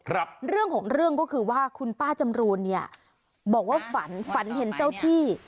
เรื่องของเรื่องก็คือว่าคุณป้าจำรูนเนี่ยบอกว่าฝันฝันเห็นเจ้าที่